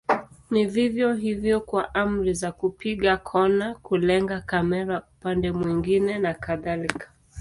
Ni vivyo hivyo kwa amri za kupiga kona, kulenga kamera upande mwingine na kadhalika.